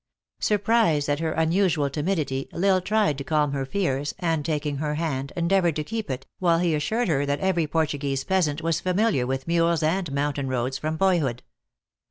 Surprised at her unusual timidity, L Isle tried to calm her fears, and taking her hand, endeavored to keep it, while he assured her that every Portuguese peasant was familiar with mules and mountain roads from boyhood.